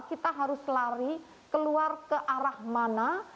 kita harus lari keluar ke arah mana